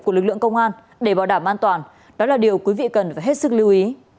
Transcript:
của lực lượng công an để bảo đảm an toàn đó là điều quý vị cần phải hết sức lưu ý